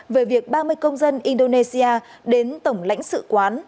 về việc ba mươi công dân indonesia đến tổng lãnh sự quán